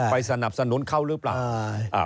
ไปสนับสนุนเขาหรือเปล่า